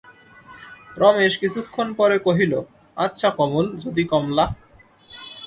রমেশ কিছুক্ষণ পরে কহিল, আচ্ছা কমল, যদি– কমলা।